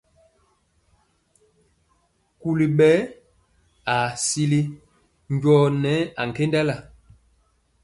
Kuli ɓɛ aa sili jɔɔ nɛ ankendala.